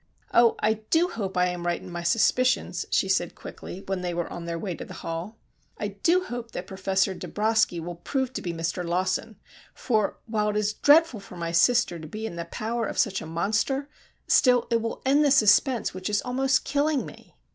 "Oh, I do hope I am right in my suspicions," she said quickly, when they were on their way to the hall. "I do hope that Professor Dabroski will prove to be Mr. Lawson, for, while it is dreadful for my sister to be in the power of such a monster, still it will end the suspense which is almost killing me."